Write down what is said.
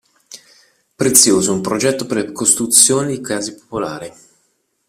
Prezioso un progetto per la costruzione di case popolari.